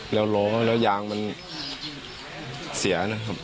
แล้วล้อแล้วยางมันเสียนะครับ